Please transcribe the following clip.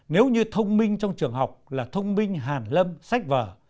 nếu như thông minh trong trường học là thông minh hàn lâm sách vở